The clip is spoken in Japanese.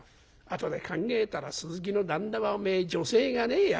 後で考えたら鈴木の旦那はおめえ如才がねえや。